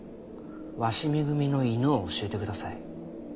鷲見組の犬を教えてください。